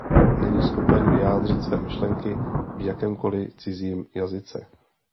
Není schopen vyjádřit své myšlenky v jakémkoli cizím jazyce.